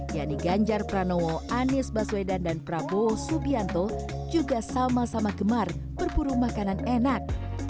yaitu ganjar pranowo anies baswedan dan prabowo subianto juga sama sama gemar berburu makanan enak